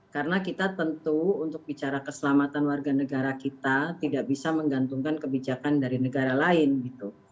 karena kita tentu untuk bicara keselamatan warga negara kita tidak bisa menggantungkan kebijakan dari negara lain gitu